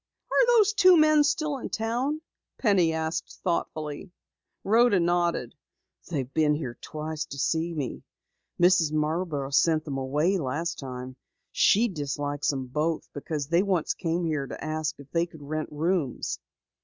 "Are those two men still in town?" Penny asked thoughtfully. Rhoda nodded. "They've been here to see me twice. Mrs. Marborough sent them away the last time. She dislikes them both because they once came here to ask if they could rent rooms."